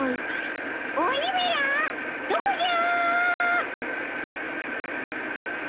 鬼めらどこじゃ！